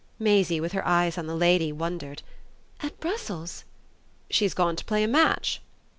Maisie, with her eyes on the lady, wondered. "At Brussels?" "She's gone to play a match."